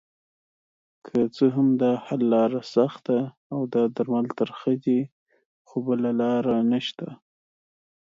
که څه هم داحل لاره سخته اودا درمل ترخه دي خو بله لاره نشته